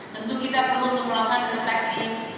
tentu kita perlu untuk melakukan proteksi